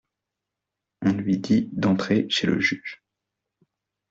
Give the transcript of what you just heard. On lui dit d'entrer chez le juge.